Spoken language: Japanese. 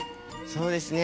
そうですね。